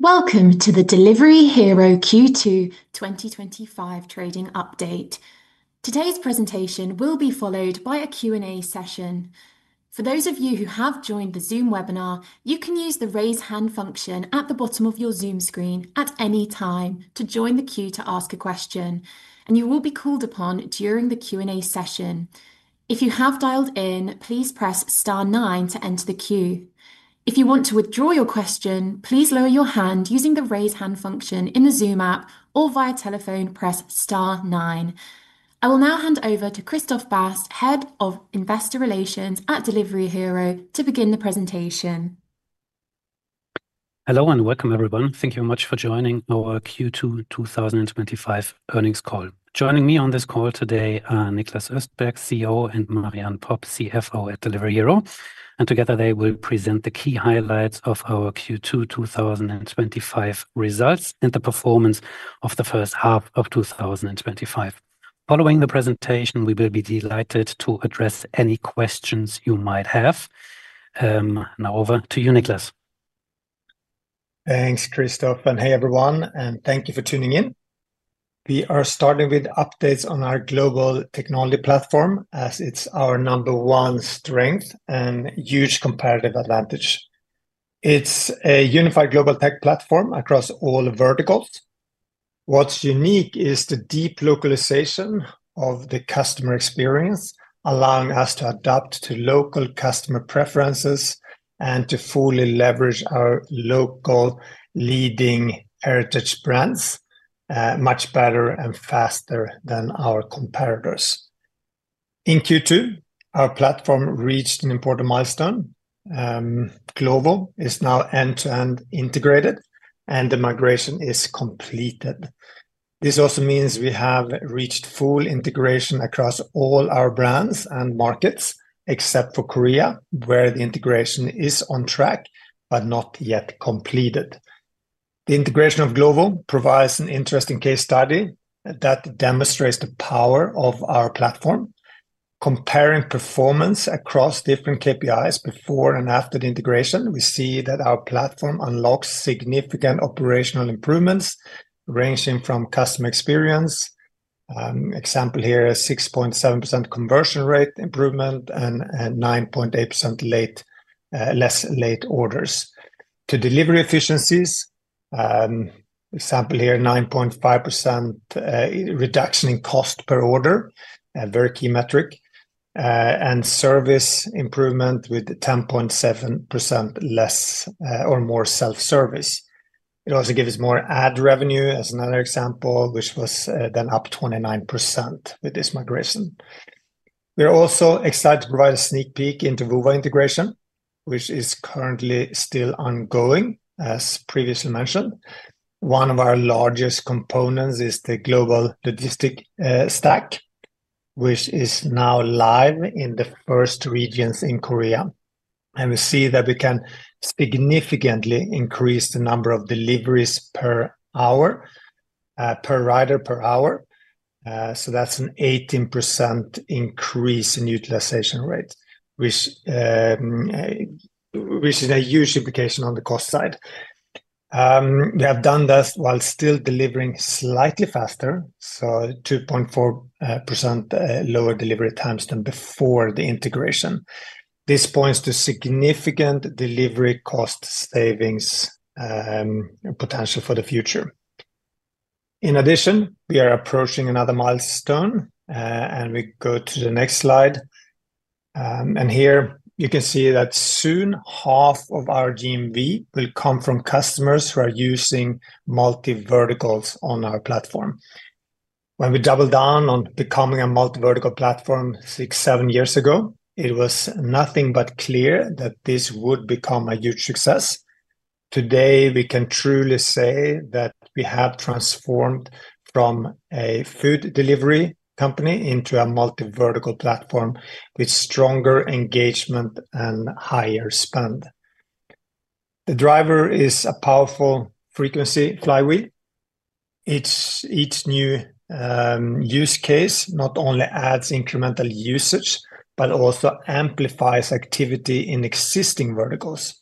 Welcome to the Delivery Hero Q2 2025 Trading Update. Today's presentation will be followed by a Q&A session. For those of you who have joined the Zoom webinar, you can use the Raise Hand function at the bottom of your Zoom screen at any time to join the queue to ask a question, and you will be called upon during the Q&A session. If you have dialed in, please press star nine to enter the queue. If you want to withdraw your question, please lower your hand using the Raise Hand function in the Zoom app or via telephone, press star nine. I will now hand over to Christoph Bast, Head of Investor Relations at Delivery Hero, to begin the presentation. Hello and welcome everyone. Thank you very much for joining our Q2 2025 Earnings Call. Joining me on this call today are Niklas Östberg, CEO, and Marie-Anne Popp, CFO at Delivery Hero. Together they will present the key highlights of our Q2 2025 results and the performance of the first half of 2025. Following the presentation, we will be delighted to address any questions you might have. Now over to you, Niklas. Thanks, Christoph, and hey everyone, and thank you for tuning in. We are starting with updates on our global technology platform, as it's our number one strength and huge competitive advantage. It's a unified global tech platform across all verticals. What's unique is the deep localization of the customer experience, allowing us to adapt to local customer preferences and to fully leverage our local leading heritage brands, much better and faster than our competitors. In Q2, our platform reached an important milestone. Glovo is now end-to-end integrated, and the migration is completed. This also means we have reached full integration across all our brands and markets, except for Korea, where the integration is on track but not yet completed. The integration of Glovo provides an interesting case study that demonstrates the power of our platform. Comparing performance across different KPIs before and after the integration, we see that our platform unlocks significant operational improvements, ranging from customer experience, example here, a 6.7% conversion rate improvement and 9.8% less late orders, to delivery efficiencies, example here, 9.5% reduction in cost per order, a very key metric, and service improvement with 10.7% more self-service. It also gives us more ad revenue, as another example, which was then up 29% with this migration. We are also excited to provide a sneak peek into Woowa integration, which is currently still ongoing, as previously mentioned. One of our largest components is the global logistic stack, which is now live in the first regions in Korea. We see that we can significantly increase the number of deliveries per rider per hour, so that's an 18% increase in utilization rate, which is a huge implication on the cost side. We have done this while still delivering slightly faster, so 2.4% lower delivery times than before the integration. This points to significant delivery cost savings potential for the future. In addition, we are approaching another milestone, and we go to the next slide. Here you can see that soon 1/2 of our GMV will come from customers who are using multi-verticals on our platform. When we doubled down on becoming a multi-vertical platform six, seven years ago, it was nothing but clear that this would become a huge success. Today, we can truly say that we have transformed from a food delivery company into a multi-vertical platform with stronger engagement and higher spend. The driver is a powerful frequency flywheel. Each new use case not only adds incremental usage, but also amplifies activity in existing verticals.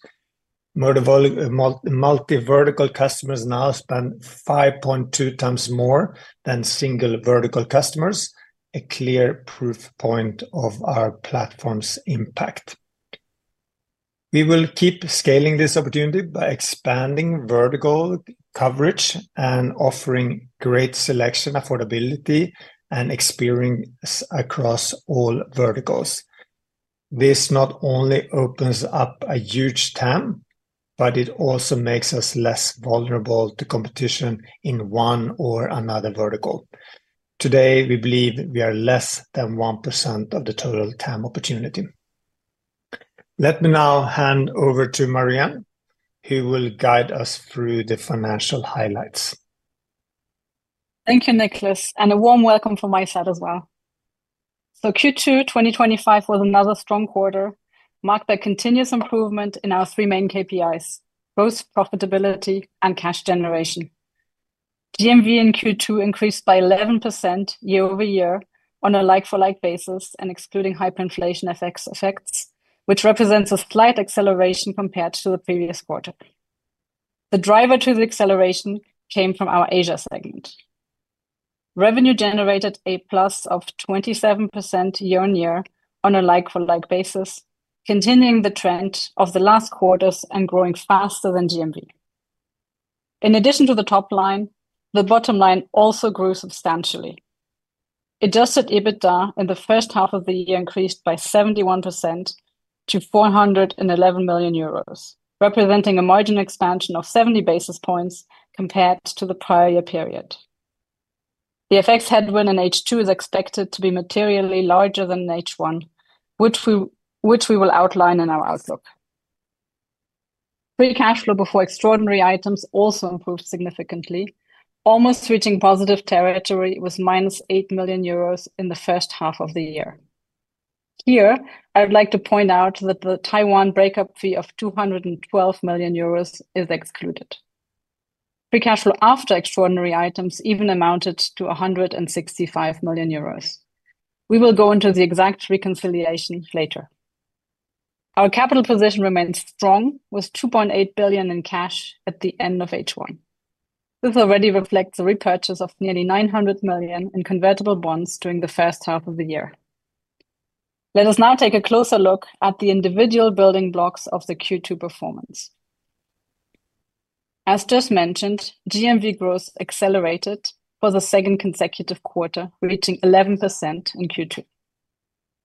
Multi-vertical customers now spend 5.2x more than single vertical customers, a clear proof point of our platform's impact. We will keep scaling this opportunity by expanding vertical coverage and offering great selection, affordability, and experience across all verticals. This not only opens up a huge TAM, but it also makes us less vulnerable to competition in one or another vertical. Today, we believe we are less than 1% of the total TAM opportunity. Let me now hand over to Marie-Anne, who will guide us through the financial highlights. Thank you, Niklas, and a warm welcome from my side as well. Q2 2025 was another strong quarter, marked by continuous improvement in our three main KPIs: growth, profitability, and cash generation. GMV in Q2 increased by 11% year-over-year on a like-for-like basis and excluding hyperinflation effects, which represents a slight acceleration compared to the previous quarter. The driver to the acceleration came from our Asia segment. Revenue generated a plus of 27% year-on-year on a like-for-like basis, continuing the trend of the last quarters and growing faster than GMV. In addition to the top line, the bottom line also grew substantially. Adjusted EBITDA in the first half of the year increased by 71% to 411 million euros, representing a margin expansion of 70 basis points compared to the prior year period. The FX headwind in H2 is expected to be materially larger than in H1, which we will outline in our outlook. Free cash flow before extraordinary items also improved significantly, almost reaching positive territory with -8 million euros in the first half of the year. Here, I would like to point out that the Taiwan breakup fee of 212 million euros is excluded. Free cash flow after extraordinary items even amounted to 165 million euros. We will go into the exact reconciliation later. Our capital position remains strong, with 2.8 billion in cash at the end of H1. This already reflects a repurchase of nearly 900 million in convertible bonds during the first half of the year. Let us now take a closer look at the individual building blocks of the Q2 performance. As just mentioned, GMV growth accelerated for the second consecutive quarter, reaching 11% in Q2.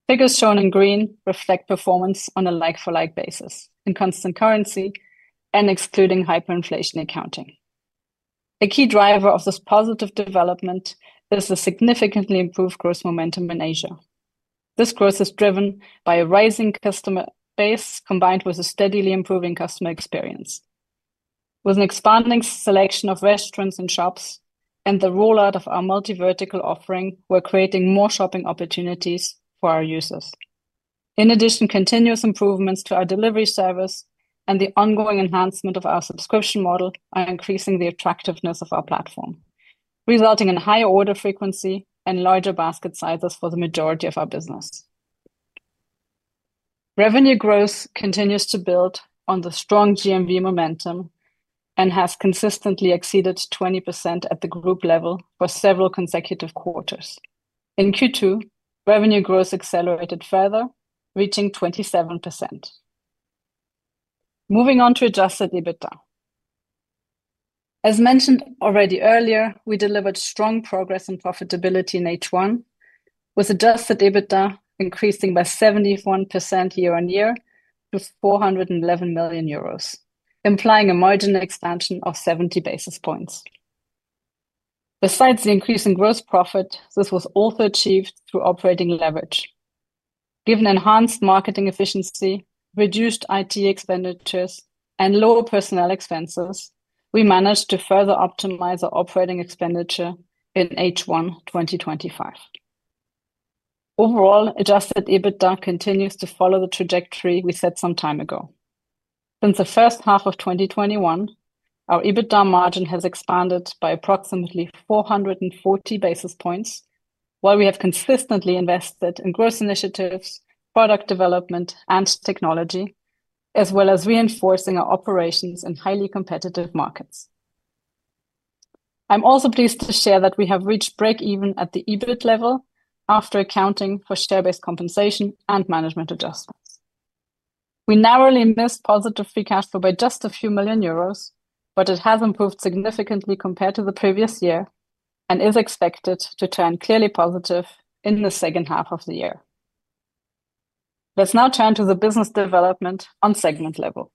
Figures shown in green reflect performance on a like-for-like basis, in constant currency and excluding hyperinflation accounting. A key driver of this positive development is the significantly improved growth momentum in Asia. This growth is driven by a rising customer base, combined with a steadily improving customer experience. With an expanding selection of restaurants and shops, and the rollout of our multi-vertical offering, we're creating more shopping opportunities for our users. In addition, continuous improvements to our delivery service and the ongoing enhancement of our subscription model are increasing the attractiveness of our platform, resulting in higher order frequency and larger basket sizes for the majority of our business. Revenue growth continues to build on the strong GMV momentum and has consistently exceeded 20% at the group level for several consecutive quarters. In Q2, revenue growth accelerated further, reaching 27%. Moving on to adjusted EBITDA. As mentioned already earlier, we delivered strong progress in profitability in H1, with adjusted EBITDA increasing by 71% year-on-year to 411 million euros, implying a margin expansion of 70 basis points. Besides the increase in gross profit, this was also achieved through operating leverage. Given enhanced marketing efficiency, reduced IT expenditures, and lower personnel expenses, we managed to further optimize our operating expenditure in H1 2025. Overall, adjusted EBITDA continues to follow the trajectory we set some time ago. Since the first half of 2021, our EBITDA margin has expanded by approximately 440 basis points, while we have consistently invested in growth initiatives, product development, and technology, as well as reinforcing our operations in highly competitive markets. I'm also pleased to share that we have reached break-even at the EBIT level after accounting for share-based compensation and management adjustments. We narrowly missed positive free cash flow by just a few million euros, but it has improved significantly compared to the previous year and is expected to turn clearly positive in the second half of the year. Let's now turn to the business development on segment level.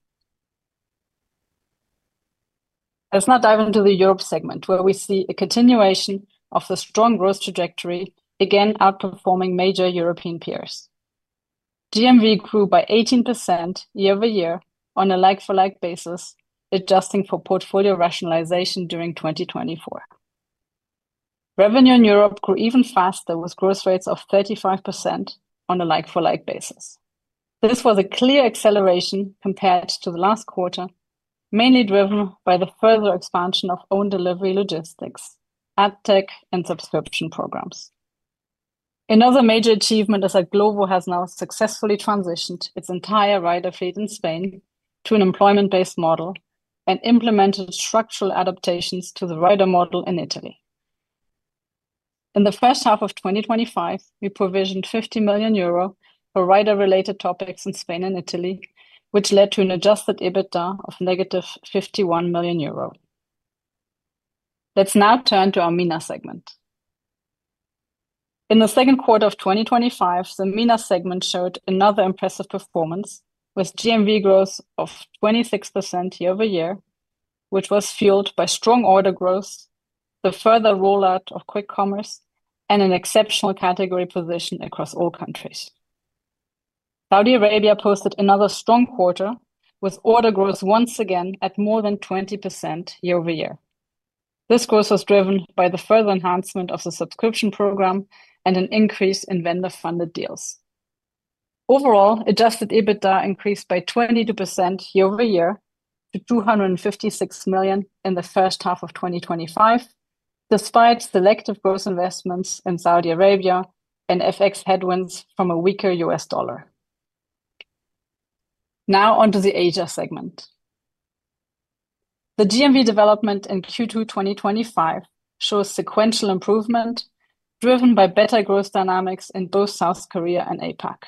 Let's now dive into the Europe segment, where we see a continuation of the strong growth trajectory, again outperforming major European peers. GMV grew by 18% year-over-year on a like-for-like basis, adjusting for portfolio rationalization during 2024. Revenue in Europe grew even faster, with growth rates of 35% on a like-for-like basis. This was a clear acceleration compared to the last quarter, mainly driven by the further expansion of owned delivery logistics, ad tech, and subscription programs. Another major achievement is that Glovo has now successfully transitioned its entire rider fleet in Spain to an employment-based model and implemented structural adaptations to the rider model in Italy. In the first half of 2025, we provisioned 50 million euro for rider-related topics in Spain and Italy, which led to an adjusted EBITDA of -51 million euro. Let's now turn to our MENA segment. In the second quarter of 2025, the MENA segment showed another impressive performance, with GMV growth of 26% year-over-year, which was fueled by strong order growth, the further rollout of quick commerce, and an exceptional category position across all countries. Saudi Arabia posted another strong quarter, with order growth once again at more than 20% year-over-year. This growth was driven by the further enhancement of the subscription program and an increase in vendor-funded deals. Overall, adjusted EBITDA increased by 22% year-over-year to 256 million in the first half of 2025, despite selective growth investments in Saudi Arabia and FX headwinds from a weaker U.S. dollar. Now onto the Asia segment. The GMV development in Q2 2025 shows sequential improvement, driven by better growth dynamics in both South Korea and APAC.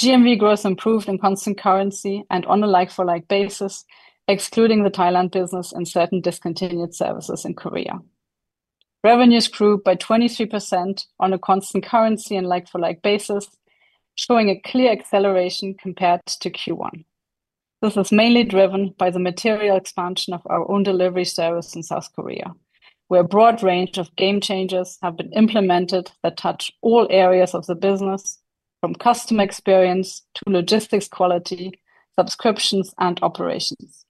GMV growth improved in constant currency and on a like-for-like basis, excluding the Thailand business and certain discontinued services in Korea. Revenues grew by 23% on a constant currency and like-for-like basis, showing a clear acceleration compared to Q1. This is mainly driven by the material expansion of our own delivery service in South Korea, where a broad range of game changes have been implemented that touch all areas of the business, from customer experience to logistics quality, subscriptions, and operations.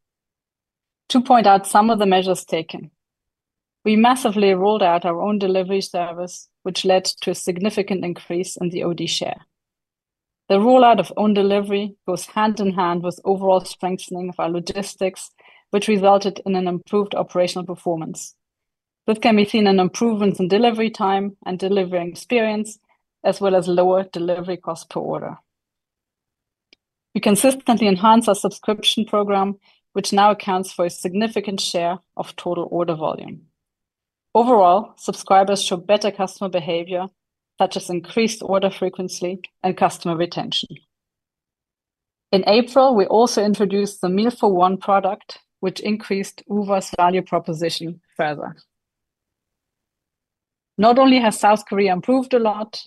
To point out some of the measures taken, we massively rolled out our own delivery service, which led to a significant increase in the owned delivery share. The rollout of owned delivery goes hand in hand with overall strengthening of our logistics, which resulted in an improved operational performance. This can be seen in improvements in delivery time and delivery experience, as well as lower delivery costs per order. We consistently enhance our subscription program, which now accounts for a significant share of total order volume. Overall, subscribers show better customer behavior, such as increased order frequency and customer retention. In April, we also introduced the Meal For One product, which increased our value proposition further. Not only has South Korea improved a lot,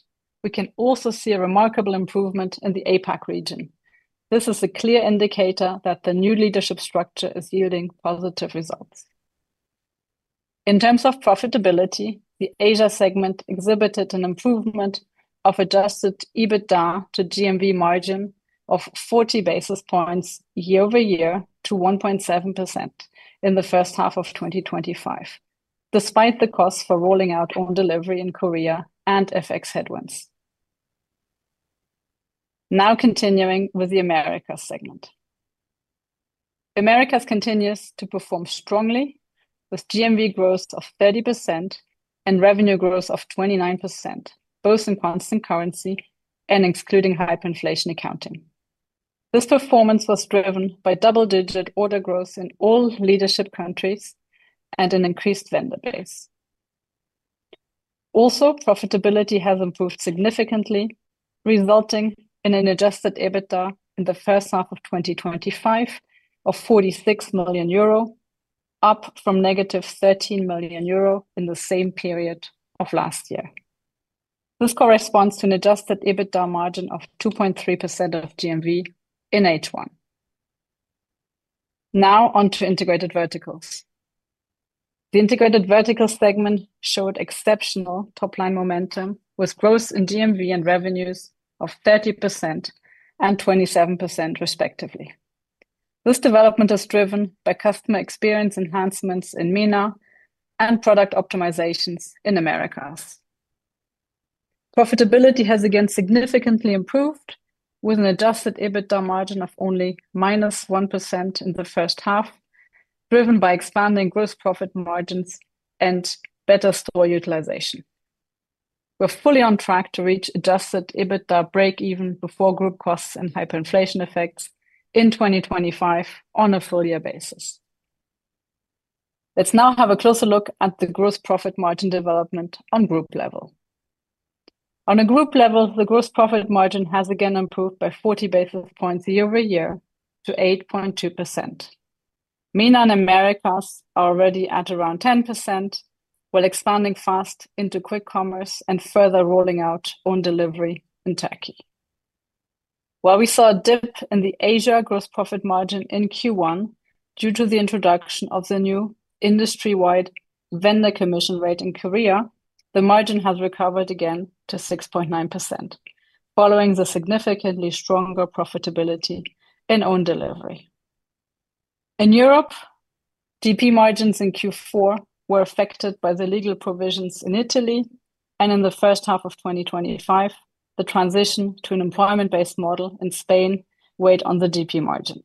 we can also see a remarkable improvement in the APAC region. This is a clear indicator that the new leadership structure is yielding positive results. In terms of profitability, the Asia segment exhibited an improvement of adjusted EBITDA to GMV margin of 40 basis points year-over-year to 1.7% in the first half of 2025, despite the costs for rolling out owned delivery in Korea and FX headwinds. Now continuing with the Americas segment. Americas continues to perform strongly, with GMV growth of 30% and revenue growth of 29%, both in constant currency and excluding hyperinflation accounting. This performance was driven by double-digit order growth in all leadership countries and an increased vendor base. Also, profitability has improved significantly, resulting in an adjusted EBITDA in the first half of 2025 of 46 million euro, up from -13 million euro in the same period of last year. This corresponds to an adjusted EBITDA margin of 2.3% of GMV in H1. Now on to integrated verticals. The integrated vertical segment showed exceptional top-line momentum, with growth in GMV and revenues of 30% and 27% respectively. This development is driven by customer experience enhancements in MENA and product optimizations in Americas. Profitability has again significantly improved, with an adjusted EBITDA margin of only -1% in the first half, driven by expanding gross profit margins and better store utilization. We're fully on track to reach adjusted EBITDA break-even before group costs and hyperinflation effects in 2025 on a full-year basis. Let's now have a closer look at the gross profit margin development on group level. On a group level, the gross profit margin has again improved by 40 basis points year-over-year to 8.2%. MENA and Americas are already at around 10%, while expanding fast into quick commerce and further rolling out owned delivery in Turkey. While we saw a dip in the Asia gross profit margin in Q1 due to the introduction of the new industry-wide vendor commission rate in Korea, the margin has recovered again to 6.9%, following the significantly stronger profitability in owned delivery. In Europe, DP margins in Q4 were affected by the legal provisions in Italy, and in the first half of 2025, the transition to an employment-based model in Spain weighed on the DP margin.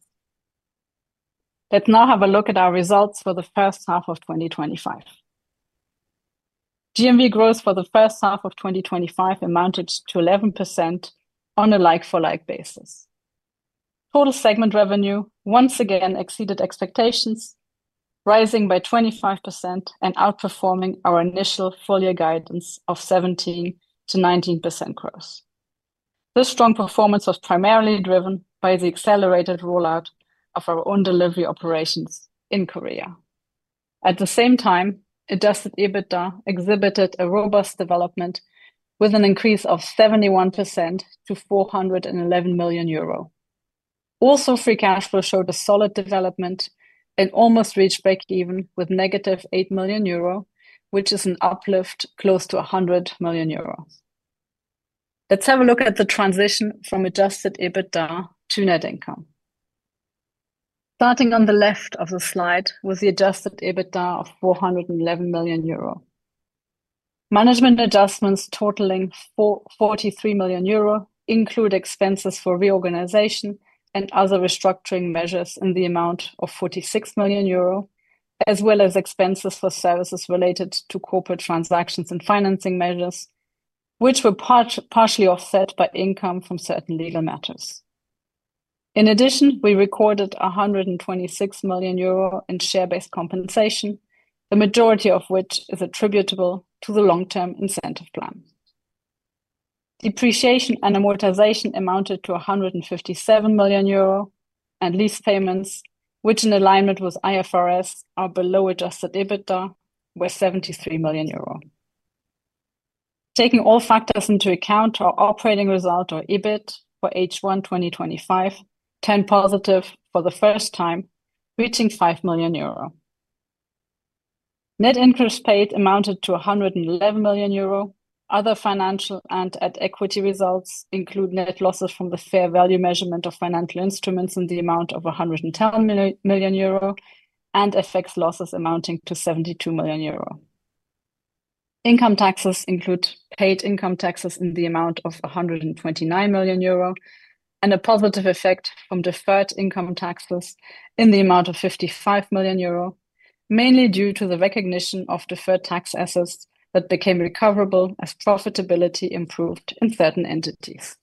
Let's now have a look at our results for the first half of 2025. GMV growth for the first half of 2025 amounted to 11% on a like-for-like basis. Total segment revenue once again exceeded expectations, rising by 25% and outperforming our initial full-year guidance of 17%-19% growth. This strong performance was primarily driven by the accelerated rollout of our owned delivery operations in Korea. At the same time, adjusted EBITDA exhibited a robust development, with an increase of 71% to 411 million euro. Also, free cash flow showed a solid development and almost reached break-even with -8 million euro, which is an uplift close to 100 million euro. Let's have a look at the transition from adjusted EBITDA to net income. Starting on the left of the slide was the adjusted EBITDA of 411 million euro. Management adjustments totaling 43 million euro include expenses for reorganization and other restructuring measures in the amount of 46 million euro, as well as expenses for services related to corporate transactions and financing measures, which were partially offset by income from certain legal matters. In addition, we recorded 126 million euro in share-based compensation, the majority of which is attributable to the long-term incentive plan. Depreciation and amortization amounted to 157 million euro, and lease payments, which in alignment with IFRS are below adjusted EBITDA, were 73 million euro. Taking all factors into account, our operating result or EBIT for H1 2025 turned positive for the first time, reaching 5 million euro. Net interest paid amounted to 111 million euro. Other financial and equity results include net losses from the fair value measurement of financial instruments in the amount of 110 million euro and FX losses amounting to 72 million euro. Income taxes include paid income taxes in the amount of 129 million euro and a positive effect from deferred income taxes in the amount of 55 million euro, mainly due to the recognition of deferred tax assets that became recoverable as profitability improved in certain entities.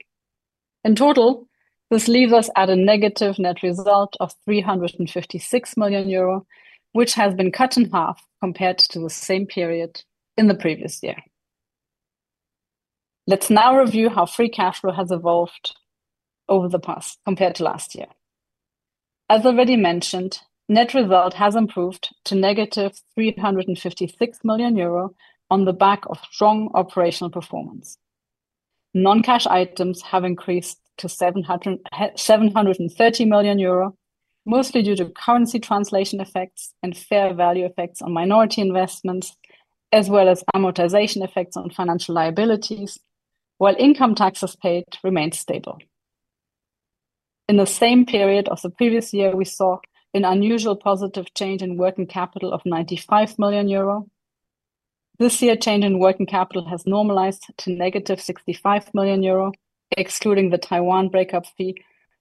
In total, this leaves us at a negative net result of 356 million euro, which has been cut in half compared to the same period in the previous year. Let's now review how free cash flow has evolved over the past compared to last year. As already mentioned, net result has improved to -356 million euro on the back of strong operational performance. Non-cash items have increased to 730 million euro, mostly due to currency translation effects and fair value effects on minority investments, as well as amortization effects on financial liabilities, while income taxes paid remain stable. In the same period of the previous year, we saw an unusual positive change in working capital of 95 million euro. This year, change in working capital has normalized to -65 million euro, excluding the Taiwan breakup fee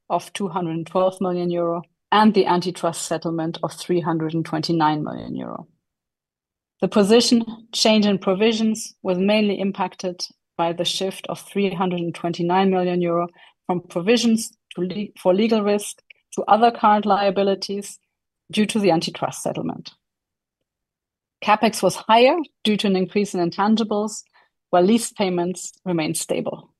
of 212 million euro and the antitrust settlement of 329 million euro. The position change in provisions was mainly impacted by the shift of 329 million euro from provisions for legal risk to other current liabilities due to the antitrust settlement. CapEx was higher due to an increase in intangibles, while lease payments remained stable.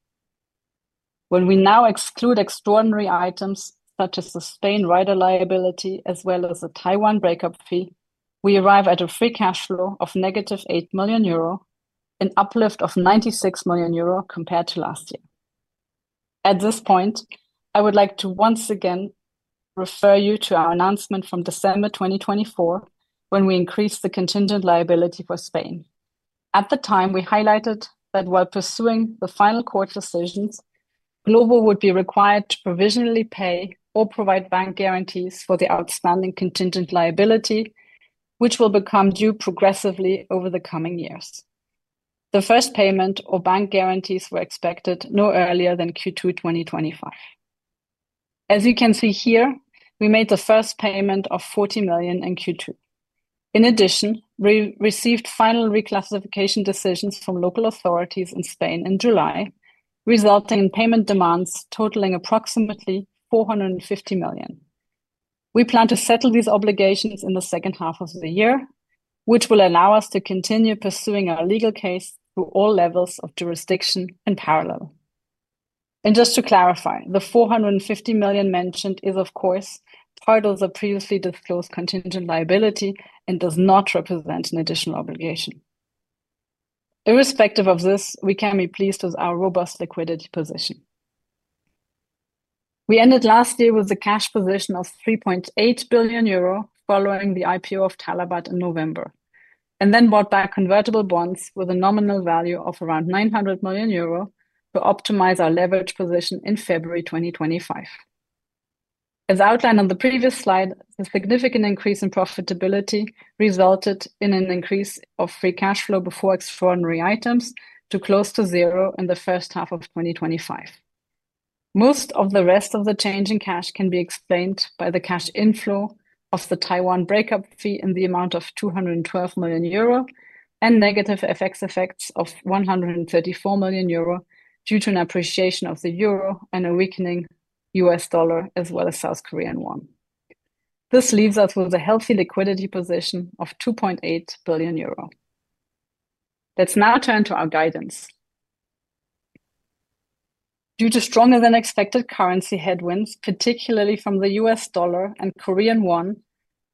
When we now exclude extraordinary items such as the Spain rider liability, as well as the Taiwan breakup fee, we arrive at a free cash flow of -8 million euro, an uplift of 96 million euro compared to last year. At this point, I would like to once again refer you to our announcement from December 2024, when we increased the contingent liability for Spain. At the time, we highlighted that while pursuing the final court decisions, Glovo would be required to provisionally pay or provide bank guarantees for the outstanding contingent liability, which will become due progressively over the coming years. The first payment or bank guarantees were expected no earlier than Q2 2025. As you can see here, we made the first payment of 40 million in Q2. In addition, we received final reclassification decisions from local authorities in Spain in July, resulting in payment demands totaling approximately 450 million. We plan to settle these obligations in the second half of the year, which will allow us to continue pursuing our legal case through all levels of jurisdiction in parallel. Just to clarify, the 450 million mentioned is, of course, part of the previously disclosed contingent liability and does not represent an additional obligation. Irrespective of this, we can be pleased with our robust liquidity position. We ended last year with a cash position of 3.8 billion euro following the IPO of Talabat in November, and then bought back convertible bonds with a nominal value of around 900 million euro to optimize our leverage position in February 2025. As outlined on the previous slide, a significant increase in profitability resulted in an increase of free cash flow before extraordinary items to close to zero in the first half of 2025. Most of the rest of the change in cash can be explained by the cash inflow of the Taiwan breakup fee in the amount of 212 million euro and negative FX effects of 134 million euro due to an appreciation of the euro and a weakening U.S. dollar, as well as South Korean won. This leaves us with a healthy liquidity position of 2.8 billion euro. Let's now turn to our guidance. Due to stronger than expected currency headwinds, particularly from the U.S. dollar and Korean won,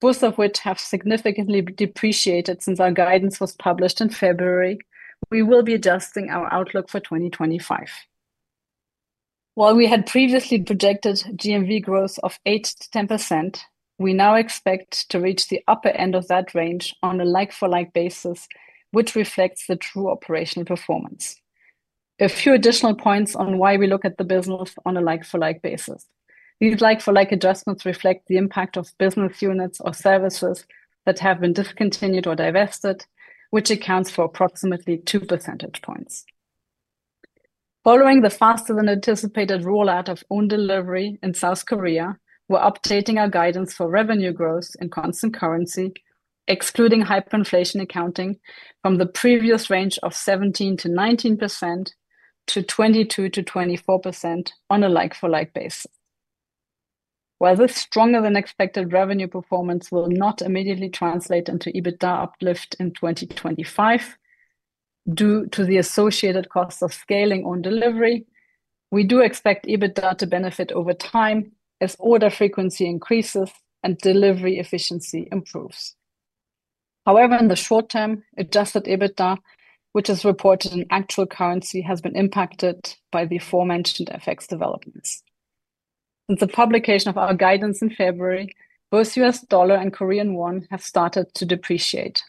both of which have significantly depreciated since our guidance was published in February, we will be adjusting our outlook for 2025. While we had previously projected GMV growth of 8%-10%, we now expect to reach the upper end of that range on a like-for-like basis, which reflects the true operational performance. A few additional points on why we look at the business on a like-for-like basis. These like-for-like adjustments reflect the impact of business units or services that have been discontinued or divested, which accounts for approximately two percentage points. Following the faster-than-anticipated rollout of owned delivery in South Korea, we're updating our guidance for revenue growth in constant currency, excluding hyperinflation accounting from the previous range of 17%-19% to 22%-24% on a like-for-like basis. While this stronger than expected revenue performance will not immediately translate into EBITDA uplift in 2025, due to the associated cost of scaling owned delivery, we do expect EBITDA to benefit over time as order frequency increases and delivery efficiency improves. However, in the short term, adjusted EBITDA, which is reported in actual currency, has been impacted by the aforementioned FX developments. Since the publication of our guidance in February, both U.S. dollar and Korean won have started to depreciate.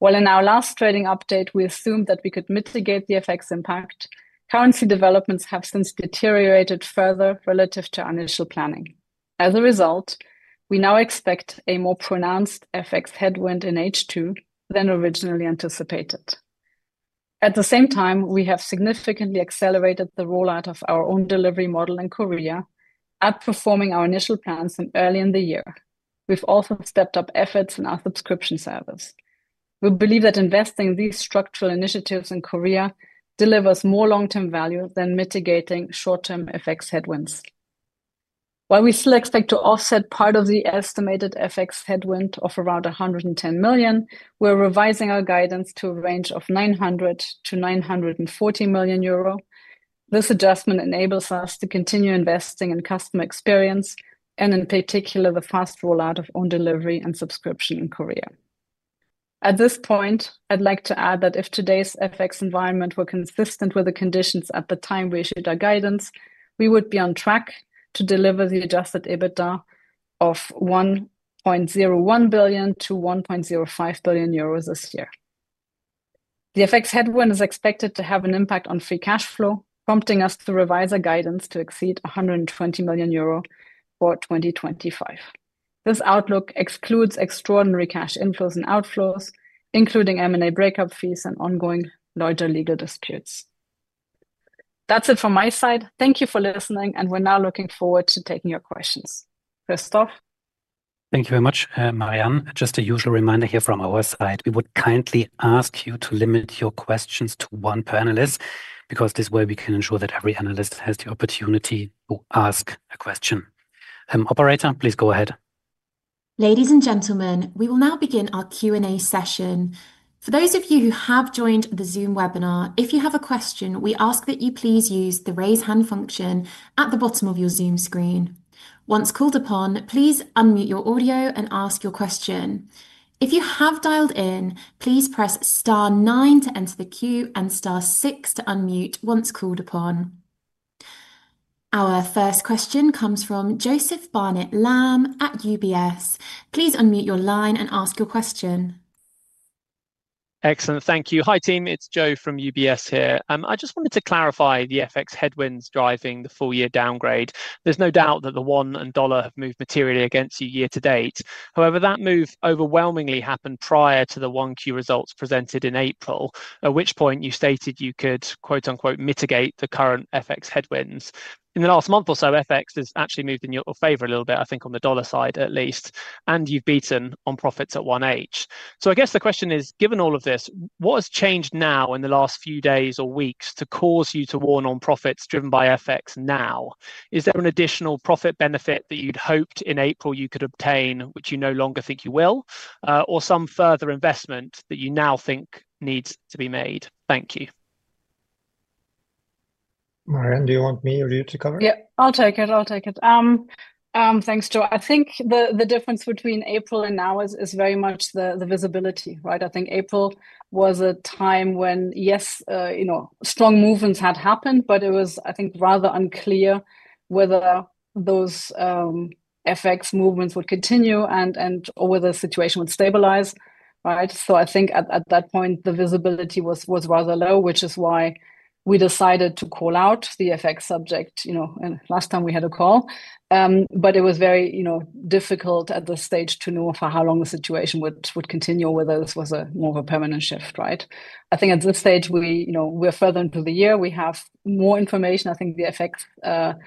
While in our last trading update we assumed that we could mitigate the FX impact, currency developments have since deteriorated further relative to our initial planning. As a result, we now expect a more pronounced FX headwind in H2 than originally anticipated. At the same time, we have significantly accelerated the rollout of our owned delivery model in Korea, outperforming our initial plans from early in the year. We've also stepped up efforts in our subscription service. We believe that investing in these structural initiatives in Korea delivers more long-term value than mitigating short-term FX headwinds. While we still expect to offset part of the estimated FX headwind of around 110 million, we're revising our guidance to a range of 900 million-940 million euro. This adjustment enables us to continue investing in customer experience and, in particular, the fast rollout of owned delivery and subscription in Korea. At this point, I'd like to add that if today's FX environment were consistent with the conditions at the time we issued our guidance, we would be on track to deliver the adjusted EBITDA of 1.01 billion-1.05 billion euros this year. The FX headwind is expected to have an impact on free cash flow, prompting us to revise our guidance to exceed 120 million euro for 2025. This outlook excludes extraordinary cash inflows and outflows, including M&A breakup fees and ongoing larger legal disputes. That's it from my side. Thank you for listening, and we're now looking forward to taking your questions. Christoph? Thank you very much, Marie-Anne. Just a usual reminder here from our side, we would kindly ask you to limit your questions to one per analyst, because this way we can ensure that every analyst has the opportunity to ask a question. Operator, please go ahead. Ladies and gentlemen, we will now begin our Q&A session. For those of you who have joined the Zoom webinar, if you have a question, we ask that you please use the Raise Hand function at the bottom of your Zoom screen. Once called upon, please unmute your audio and ask your question. If you have dialed in, please press star nine to enter the queue and star six to unmute once called upon. Our first question comes from Joseph Barnet-Lamb at UBS. Please unmute your line and ask your question. Excellent, thank you. Hi team, it's Joe from UBS here. I just wanted to clarify the FX headwinds driving the full-year downgrade. There's no doubt that the won and dollar have moved materially against you year to date. However, that move overwhelmingly happened prior to the won Q1 results presented in April, at which point you stated you could "mitigate the current FX headwinds." In the last month or so, FX has actually moved in your favor a little bit, I think on the dollar side at least, and you've beaten on profits at H1. I guess the question is, given all of this, what has changed now in the last few days or weeks to cause you to warn on profits driven by FX now? Is there an additional profit benefit that you'd hoped in April you could obtain, which you no longer think you will, or some further investment that you now think needs to be made? Thank you. Marie-Anne, do you want me or you to cover? Yeah, I'll take it. Thanks, Joe. I think the difference between April and now is very much the visibility, right? I think April was a time when, yes, strong movements had happened, but it was rather unclear whether those FX movements would continue and/or whether the situation would stabilize, right? At that point, the visibility was rather low, which is why we decided to call out the FX subject last time we had a call. It was very difficult at this stage to know for how long the situation would continue or whether this was more of a permanent shift, right? At this stage, we're further into the year. We have more information. I think the FX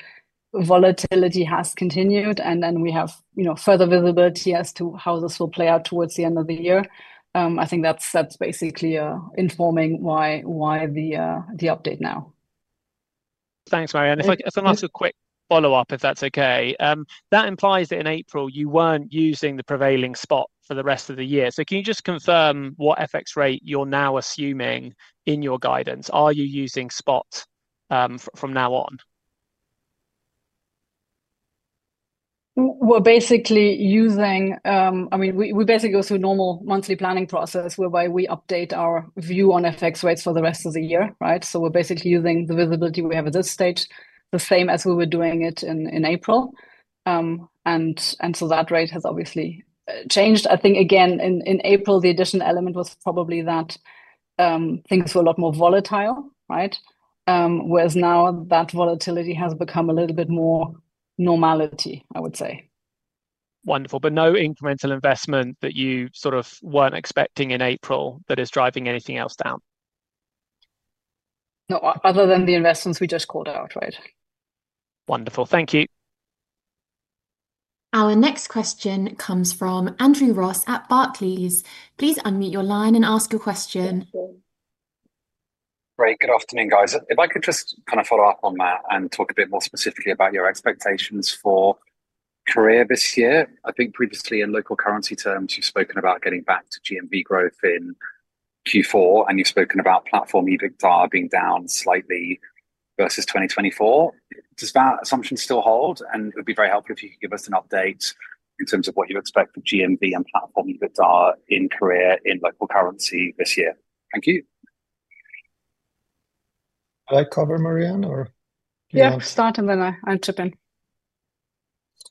volatility has continued, and we have further visibility as to how this will play out towards the end of the year. I think that's basically informing why the update now. Thanks, Marie-Anne. If I can ask a quick follow-up, if that's okay, that implies that in April you weren't using the prevailing spot for the rest of the year. Can you just confirm what FX rate you're now assuming in your guidance? Are you using spot from now on? We're basically using, I mean, we basically go through a normal monthly planning process whereby we update our view on FX rates for the rest of the year, right? We're basically using the visibility we have at this stage, the same as we were doing it in April. That rate has obviously changed. I think again in April, the additional element was probably that things were a lot more volatile, right? Whereas now that volatility has become a little bit more normality, I would say. No incremental investment that you sort of weren't expecting in April that is driving anything else down? No, other than the investments we just called out, right? Wonderful. Thank you. Our next question comes from Andrew Ross at Barclays. Please unmute your line and ask your question. Great. Good afternoon, guys. If I could just follow up on that and talk a bit more specifically about your expectations for Korea this year. I think previously in local currency terms, you've spoken about getting back to GMV growth in Q4, and you've spoken about platform EBITDA being down slightly versus 2024. Does that assumption still hold? It would be very helpful if you could give us an update in terms of what you expect for GMV and platform EBITDA in Korea in local currency this year. Thank you. I'll cover, Marie-Anne, or?... Yeah, start, and then I'll chip in.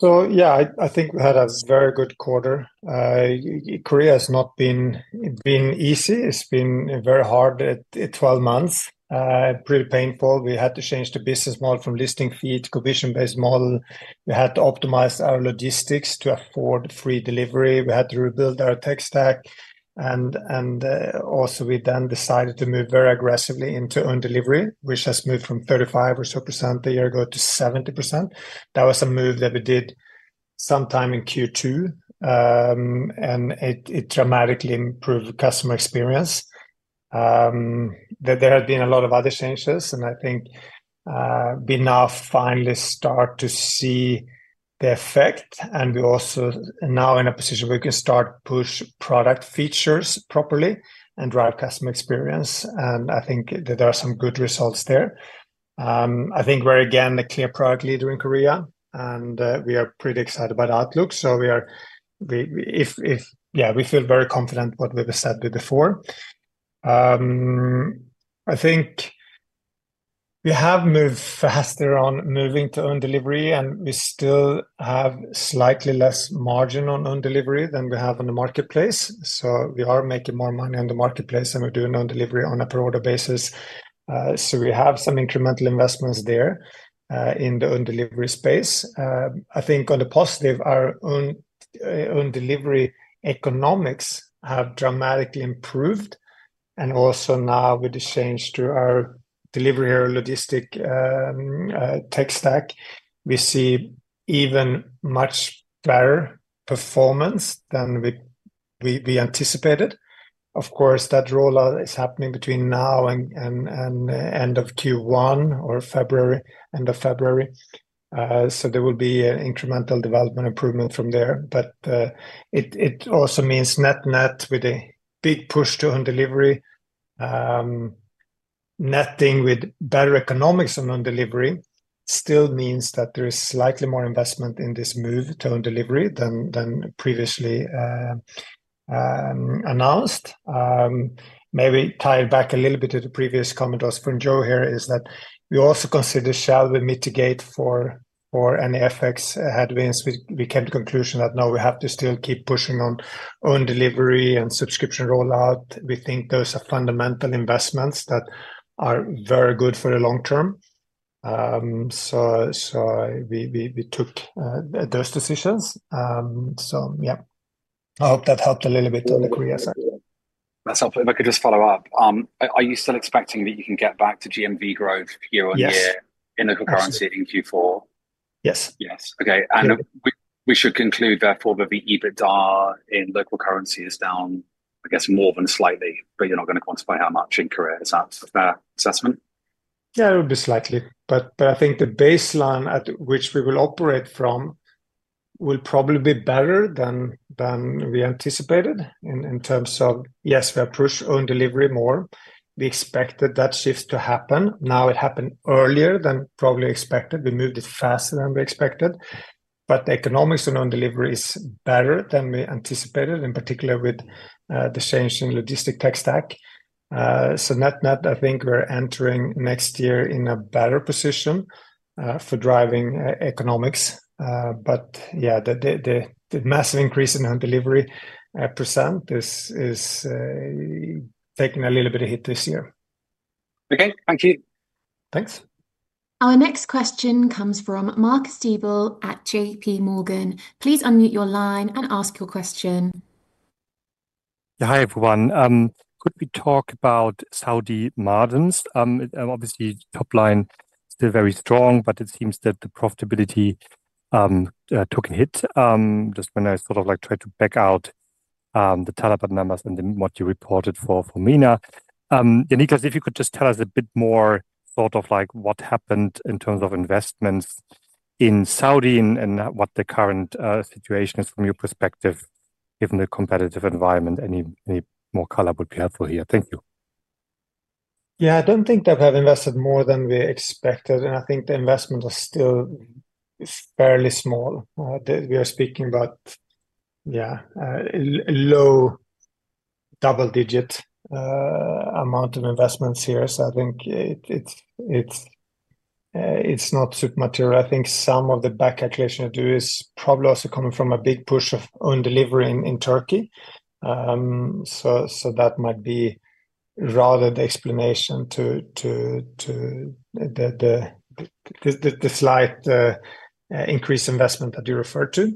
Yeah, I think we had a very good quarter. Korea has not been easy. It's been very hard at 12 months. Pretty painful. We had to change the business model from listing fee to commission-based model. We had to optimize our logistics to afford free delivery. We had to rebuild our tech stack. We then decided to move very aggressively into owned delivery, which has moved from 35% or so a year ago to 70%. That was a move that we did sometime in Q2. It dramatically improved customer experience. There have been a lot of other changes, and I think we now finally start to see the effect. We're also now in a position where we can start to push product features properly and drive customer experience. I think that there are some good results there. I think we're again a clear product leader in Korea, and we are pretty excited about the outlook. We feel very confident in what we've said before. I think we have moved faster on moving to owned delivery, and we still have slightly less margin on owned delivery than we have on the marketplace. We are making more money on the marketplace, and we're doing owned delivery on a per order basis. We have some incremental investments there in the owned delivery space. On the positive, our owned delivery economics have dramatically improved. Also now with the change to our delivery or logistic tech stack, we see even much better performance than we anticipated. Of course, that rollout is happening between now and the end of Q1 or end of February. There will be an incremental development improvement from there. It also means net net with a big push to owned delivery, netting with better economics on owned delivery still means that there is slightly more investment in this move to owned delivery than previously announced. Maybe tying back a little bit to the previous comment from Joe here is that we also considered, shall we mitigate for any FX headwinds? We came to the conclusion that no, we have to still keep pushing on owned delivery and subscription rollout. We think those are fundamental investments that are very good for the long term. We took those decisions. I hope that helped a little bit on the Korea side. That's helpful. If I could just follow up, are you still expecting that you can get back to GMV growth year-on-year in local currency in Q4? Yes. Yes. Okay. We should conclude therefore that the EBITDA in local currency is down, I guess, more than slightly, but you're not going to quantify how much in Korea. Is that the assessment? Yeah, it'll be slightly. I think the baseline at which we will operate from will probably be better than we anticipated in terms of, yes, we have pushed owned delivery more. We expected that shift to happen. Now it happened earlier than probably expected. We moved it faster than we expected. The economics in owned delivery is better than we anticipated, in particular with the change in logistic tech stack. Net net, I think we're entering next year in a better position for driving economics. The massive increase in owned delivery percentage is taking a little bit of hit this year. Okay, thank you. Thanks. Our next question comes from Marc Diebel at JPMorgan. Please unmute your line and ask your question. Yeah, hi everyone. Could we talk about Saudi margins? Obviously, top line is still very strong, but it seems that the profitability took a hit just when I sort of tried to back out the Talabat numbers and the numbers you reported for MENA. Niklas, if you could just tell us a bit more of what happened in terms of investments in Saudi and what the current situation is from your perspective, given the competitive environment. Any more color would be helpful here. Thank you. I don't think that we have invested more than we expected, and I think the investment is still fairly small. We are speaking about a low double-digit amount of investments here. I think it's not super material. Some of the back calculation to do is probably also coming from a big push of owned delivery in Turkey. That might be rather the explanation to the slight increase in investment that you referred to,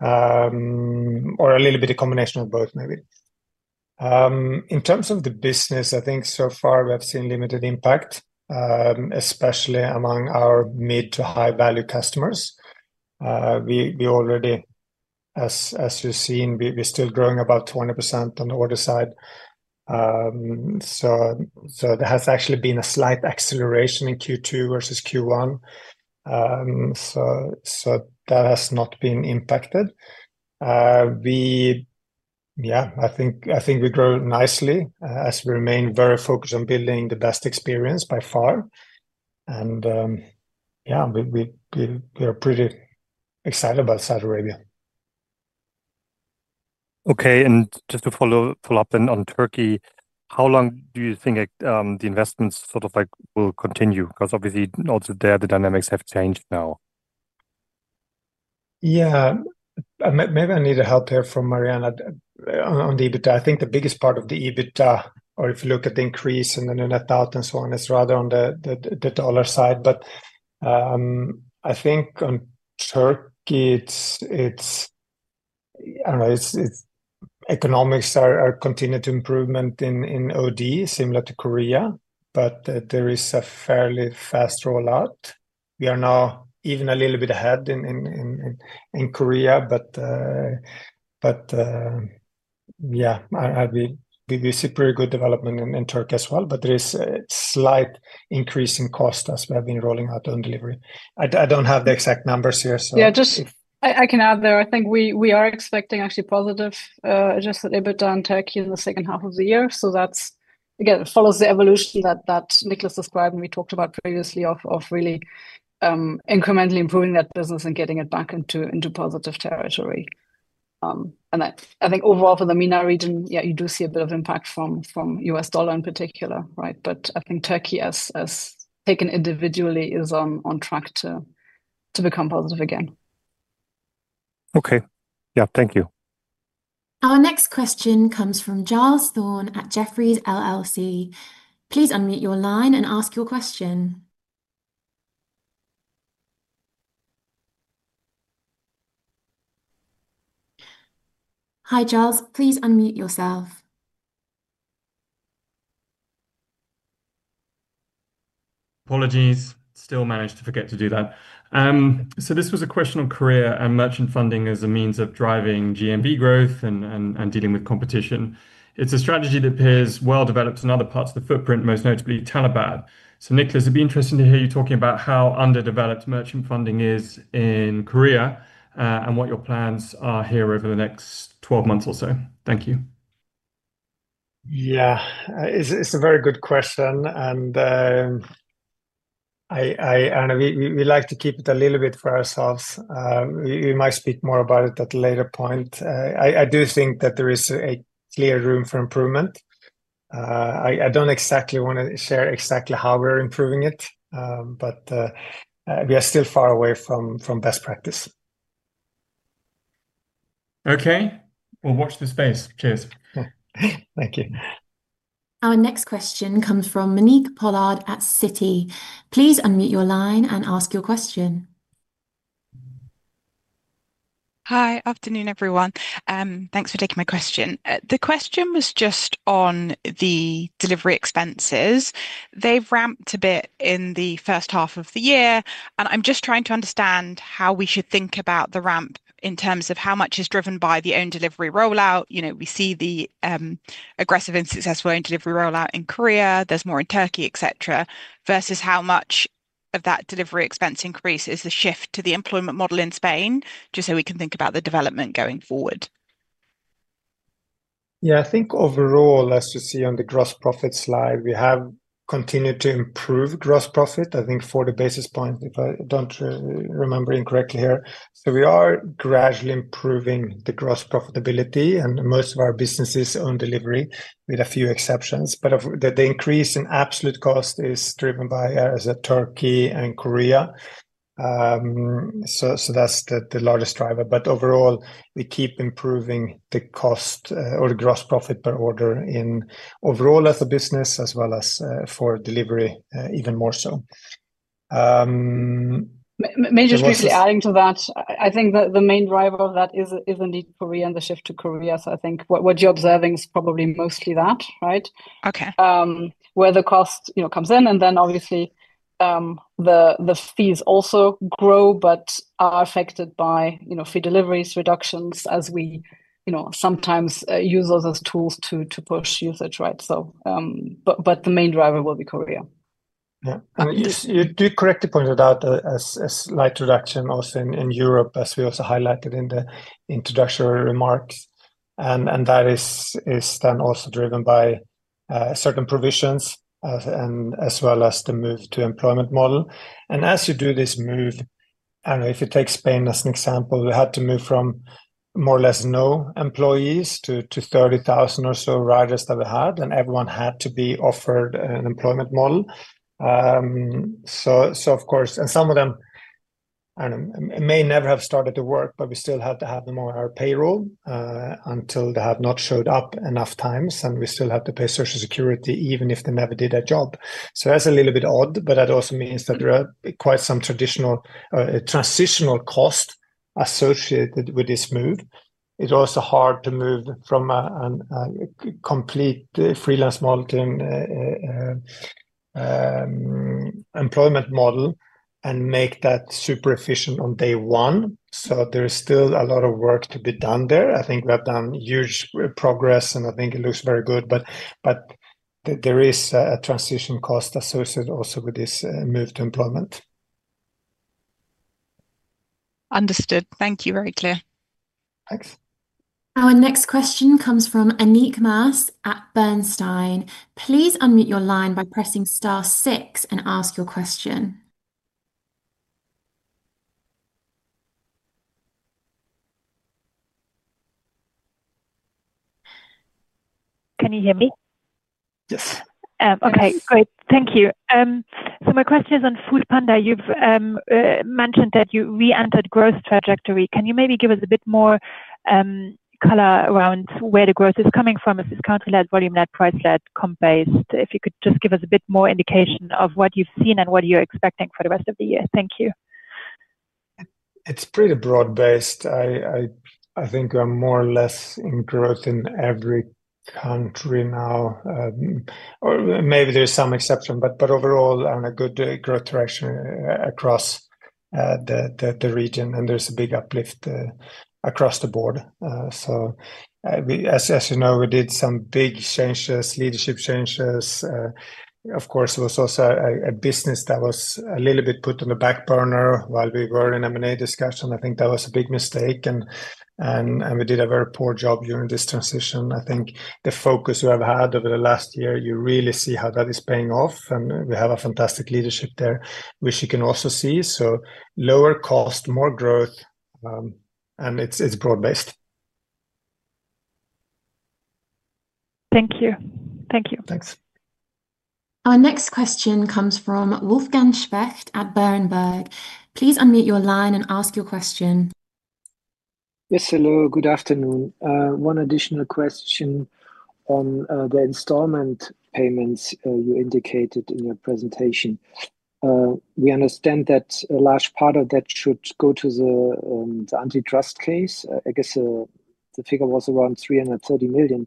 or a little bit of a combination of both maybe. In terms of the business, I think so far we have seen limited impact, especially among our mid to high-value customers. We already, as you've seen, we're still growing about 20% on the order side. There has actually been a slight acceleration in Q2 versus Q1. That has not been impacted. I think we grow nicely as we remain very focused on building the best experience by far. We are pretty excited about Saudi Arabia. Okay, just to follow up on Turkey, how long do you think the investments sort of like will continue? Because obviously, notice there the dynamics have changed now. Yeah, maybe I need help there from Marie-Anne on the EBITDA. I think the biggest part of the EBITDA, or if you look at the increase in the net out and so on, is rather on the dollar side. I think on Turkey, economics are continuing to improve in OD, similar to Korea, but there is a fairly fast rollout. We are now even a little bit ahead in Korea. We see pretty good development in Turkey as well, but there is a slight increase in cost as we have been rolling out owned delivery. I don't have the exact numbers here. Yeah, I can add there, I think we are expecting actually positive adjusted EBITDA in Turkey in the second half of the year. That's, again, it follows the evolution that Niklas described and we talked about previously of really incrementally improving that business and getting it back into positive territory. I think overall for the MENA region, you do see a bit of impact from the U.S. dollar in particular, right? I think Turkey, as taken individually, is on track to become positive again. Okay, yeah, thank you. Our next question comes from Giles Thorne at Jefferies LLC. Please unmute your line and ask your question. Hi Giles, please unmute yourself. Apologies, still managed to forget to do that. This was a question on Korea and merchant funding as a means of driving GMV growth and dealing with competition. It's a strategy that appears well developed in other parts of the footprint, most notably Talabat. Niklas, it'd be interesting to hear you talking about how underdeveloped merchant funding is in Korea and what your plans are here over the next 12 months or so. Thank you. Yeah, it's a very good question, and we like to keep it a little bit for ourselves. We might speak more about it at a later point. I do think that there is a clear room for improvement. I don't exactly want to share exactly how we're improving it, but we are still far away from best practice. Okay, we'll watch the space, kids. Thank you. Our next question comes from Monique Pollard at Citi. Please unmute your line and ask your question. Hi, afternoon everyone. Thanks for taking my question. The question was just on the delivery expenses. They've ramped a bit in the first half of the year, and I'm just trying to understand how we should think about the ramp in terms of how much is driven by the owned delivery rollout. You know, we see the aggressive and successful owned delivery rollout in Korea. There's more in Turkey, et cetera, versus how much of that delivery expense increase is the shift to the employment-based rider model in Spain, just so we can think about the development going forward. Yeah, I think overall, let's just see on the gross profit slide, we have continued to improve gross profit, I think 40 basis points, if I don't remember incorrectly here. We are gradually improving the gross profitability and most of our business is owned delivery with a few exceptions. The increase in absolute cost is driven by areas of Turkey and Korea. That's the largest driver. Overall, we keep improving the cost or the gross profit per order overall as a business as well as for delivery even more so. Maybe just quickly adding to that, I think the main driver of that is indeed Korea and the shift to Korea. I think what you're observing is probably mostly that, right? Okay. Where the cost comes in, and then obviously the fees also grow, but are affected by free deliveries, reductions as we sometimes use those as tools to push usage, right? The main driver will be Korea. Yeah, you do correctly point out a slight reduction also in Europe as we also highlighted in the introductory remarks. That is then also driven by certain provisions as well as the move to the employment-based rider model. As you do this move, if you take Spain as an example, we had to move from more or less no employees to 30,000 or so riders that we had, and everyone had to be offered an employment model. Of course, some of them may never have started to work, but we still had to have them on our payroll until they have not showed up enough times, and we still had to pay social security even if they never did a job. That's a little bit odd, but that also means that there are quite some transitional costs associated with this move. It's also hard to move from a complete freelance model to an employment-based rider model and make that super efficient on day one. There is still a lot of work to be done there. I think we have done huge progress and I think it looks very good, but there is a transition cost associated also with this move to employment. Understood. Thank you, very clear. Thanks. Our next question comes from Annick Maas at Bernstein. Please unmute your line by pressing star six and ask your question. Can you hear me? Yes. Okay, great. Thank you. My question is on foodpanda. You've mentioned that you re-entered growth trajectory. Can you maybe give us a bit more color around where the growth is coming from? Is this country-led, volume-led, price-led, comp-based? If you could just give us a bit more indication of what you've seen and what you're expecting for the rest of the year. Thank you. It's pretty broad-based. I think we're more or less in growth in every country now. Maybe there's some exception, but overall, I'm in a good growth direction across the region, and there's a big uplift across the board. As you know, we did some big changes, leadership changes. Of course, it was also a business that was a little bit put on the back burner while we were in M&A discussion. I think that was a big mistake, and we did a very poor job during this transition. I think the focus you have had over the last year, you really see how that is paying off, and we have a fantastic leadership there, which you can also see. Lower cost, more growth, and it's broad-based. Thank you. Thank you. Thanks. Our next question comes from Wolfgang Specht at Berenberg. Please unmute your line and ask your question. Yes, hello, good afternoon. One additional question on the installment payments you indicated in your presentation. We understand that a large part of that should go to the antitrust case. I guess the figure was around 330 million.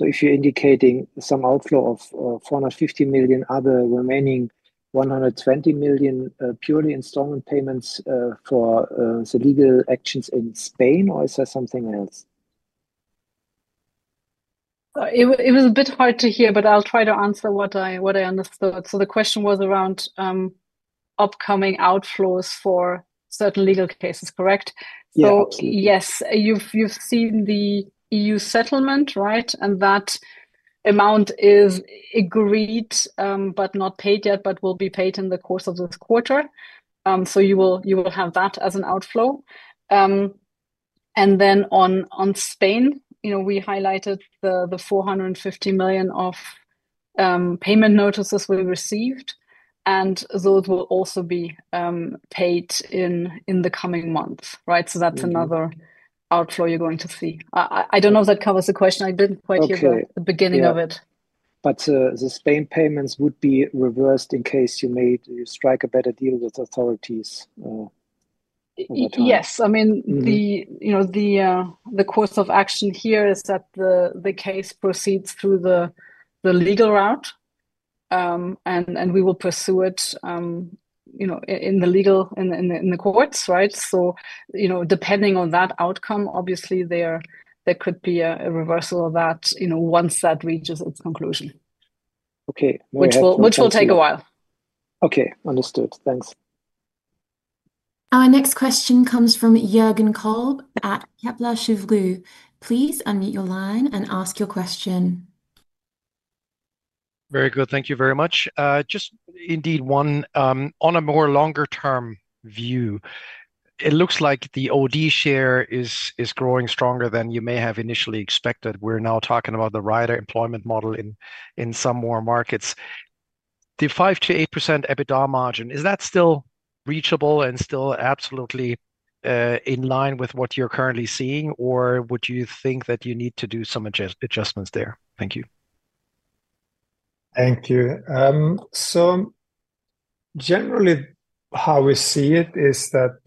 If you're indicating some outflow of 450 million, are the remaining 120 million purely installment payments for the legal actions in Spain, or is there something else? It was a bit hard to hear, but I'll try to answer what I understood. The question was around upcoming outflows for certain legal cases, correct? Yes. Yes, you've seen the EU settlement, right? That amount is agreed but not paid yet, but will be paid in the course of this quarter. You will have that as an outflow. On Spain, you know, we highlighted the 450 million of payment notices we received, and those will also be paid in the coming months, right? That's another outflow you're going to see. I don't know if that covers the question. I didn't quite hear the beginning of it. The Spain payments would be reversed in case you strike a better deal with authorities. Yes, I mean, the course of action here is that the case proceeds through the legal route, and we will pursue it in the legal, in the courts, right? Depending on that outcome, obviously there could be a reversal of that once that reaches its conclusion. Okay. Which will take a while. Okay, understood. Thanks. Our next question comes from Jürgen Kolb at Kepler Cheuvreux. Please unmute your line and ask your question. Very good. Thank you very much. Just indeed one, on a more longer-term view, it looks like the OD share is growing stronger than you may have initially expected. We're now talking about the rider employment model in some more markets. The 5%-8% EBITDA margin, is that still reachable and still absolutely in line with what you're currently seeing, or would you think that you need to do some adjustments there? Thank you. Thank you. Generally, how we see it is that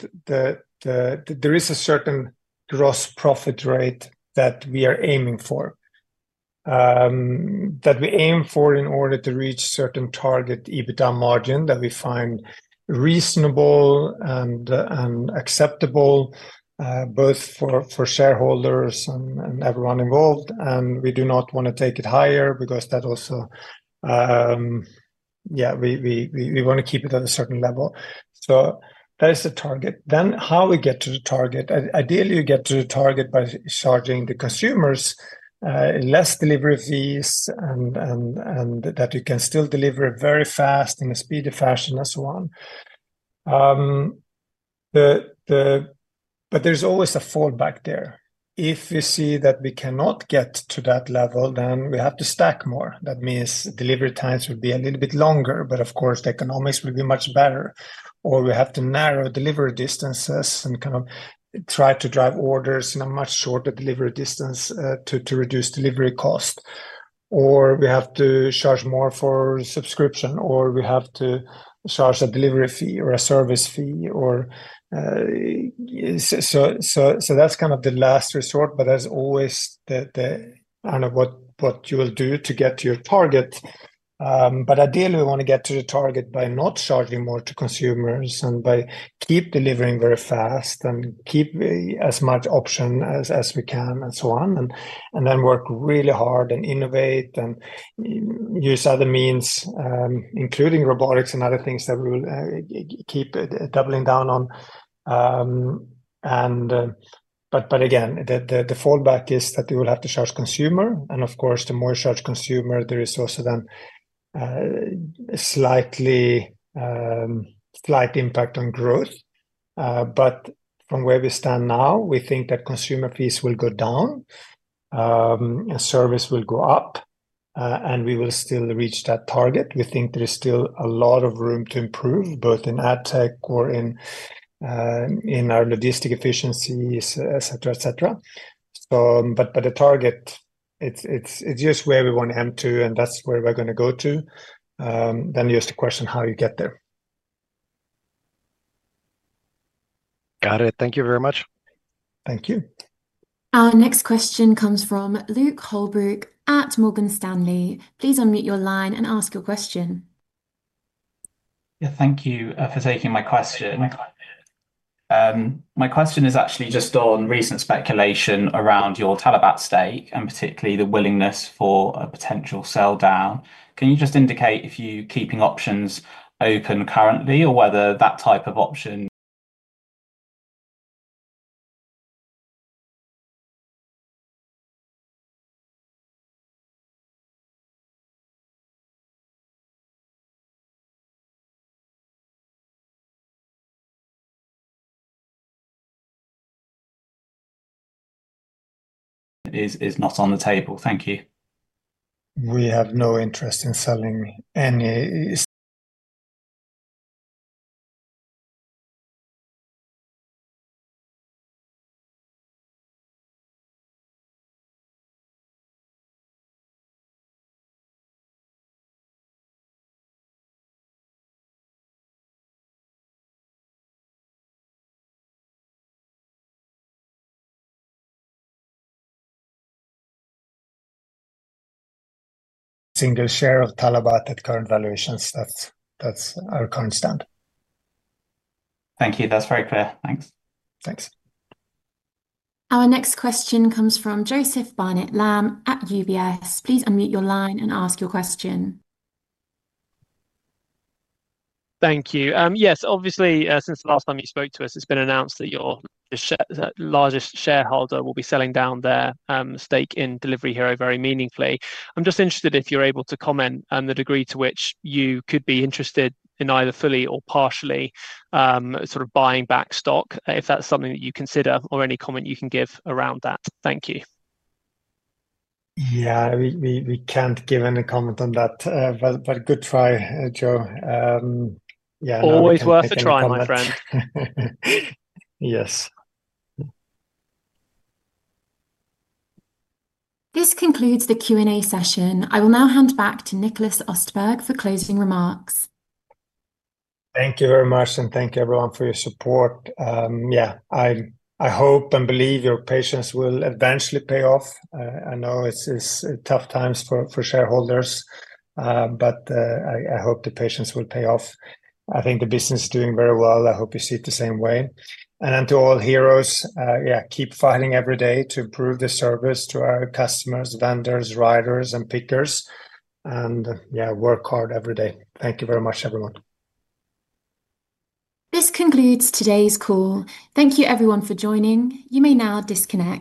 there is a certain gross profit rate that we are aiming for, that we aim for in order to reach a certain target EBITDA margin that we find reasonable and acceptable, both for shareholders and everyone involved. We do not want to take it higher because we want to keep it at a certain level. That is the target. How we get to the target, ideally you get to the target by charging the consumers less delivery fees and you can still deliver very fast in a speedy fashion and so on. There is always a fallback there. If we see that we cannot get to that level, we have to stack more. That means delivery times will be a little bit longer, but of course the economics will be much better. We have to narrow delivery distances and try to drive orders in a much shorter delivery distance to reduce delivery cost. We have to charge more for subscription, or we have to charge a delivery fee or a service fee. That is kind of the last resort. I don't know what you'll do to get to your target. Ideally, we want to get to the target by not charging more to consumers and by keeping delivering very fast and keeping as much option as we can and so on. We work really hard and innovate and use other means, including robotics and other things that we will keep doubling down on. The fallback is that you will have to charge consumer. Of course, the more you charge consumer, there is also then a slight impact on growth. From where we stand now, we think that consumer fees will go down and service will go up. We will still reach that target. We think there is still a lot of room to improve, both in ad tech or in our logistic efficiencies, et cetera. The target is just where we want to aim to and that's where we're going to go to. You ask the question how you get there. Got it. Thank you very much. Thank you. Our next question comes from Luke Holbrook at Morgan Stanley. Please unmute your line and ask your question. Thank you for taking my question. My question is actually just on recent speculation around your Talabat stake and particularly the willingness for a potential sell down. Can you just indicate if you're keeping options open currently or whether that type of option is not on the table? Thank you. We have no interest in selling any single share of Talabat at current valuations, that's our current stat. Thank you. That's very clear. Thanks. Thanks. Our next question comes from Joseph Barnet-Lamb at UBS. Please unmute your line and ask your question. Thank you. Yes, obviously since the last time you spoke to us, it's been announced that your largest shareholder will be selling down their stake in Delivery Hero very meaningfully. I'm just interested if you're able to comment on the degree to which you could be interested in either fully or partially sort of buying back stock, if that's something that you consider or any comment you can give around that. Thank you. Yeah, we can't give any comment on that, but good try, Joe. Always worth a try, my friend. Yes. This concludes the Q&A session. I will now hand back to Niklas Östberg for closing remarks. Thank you very much, and thank you everyone for your support. I hope and believe your patience will eventually pay off. I know it's tough times for shareholders, but I hope the patience will pay off. I think the business is doing very well. I hope you see it the same way. To all heroes, keep fighting every day to improve the service to our customers, vendors, riders, and pickers. Work hard every day. Thank you very much, everyone. This concludes today's call. Thank you everyone for joining. You may now disconnect.